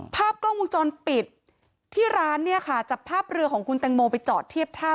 ภาพกล้องวงจรปิดที่ร้านเนี่ยค่ะจับภาพเรือของคุณแตงโมไปจอดเทียบท่า